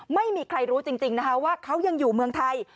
ไม่มีใครรู้จริงนะคะว่าเขายังอยู่เมืองไทย